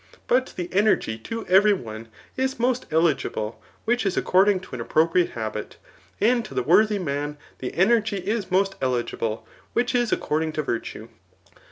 But the energy to every one is most eligible which is according to an appropriate habit; and to the worthy man the energy is most eligible which is according to virtue.